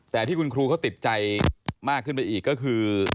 แต่ที่คุณครูเขาติดใจมากขึ้นไปอีกก็คือ